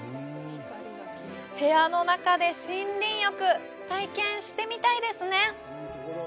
部屋の中で森林浴体験してみたいですね。